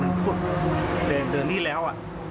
มันพูดเดินที่แล้ว